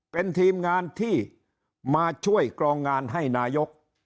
เป็นทีมงานที่มาช่วยกรองงานให้นายก